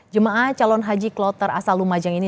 jemaah calon haji kloter asal lumajang ini